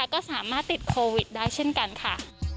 ก็สามารถติดโควิดได้เช่นกันค่ะ